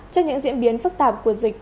trước những diễn biến phức tạp của dịch